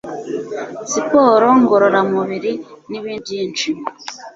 siporo ngorora mubiri, n'ibindi byinshi